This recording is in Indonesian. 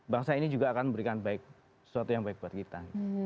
bangsa ini juga akan memberikan baik sesuatu yang baik buat kita